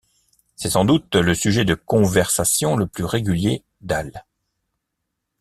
C'est sans doute le sujet de conversation le plus régulier d'Al.